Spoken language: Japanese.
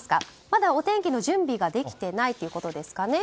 まだお天気の準備ができてないということですかね。